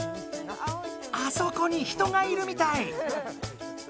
あそこに人がいるみたい！